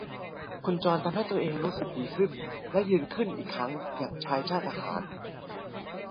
คุณจอร์จทำให้ตัวเองรู้สึกดีขึ้นและยืนขึิ้นอีกครั้งอย่างชายชาติทหาร